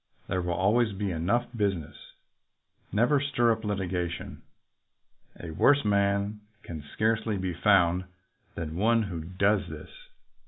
There will always be enough business. Never stir up litigation. A worse man can scarcely be found than one who does this.